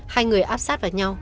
hai người áp sát vào nhau